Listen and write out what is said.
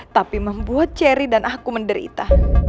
tapi membuat ceri dan aku menderita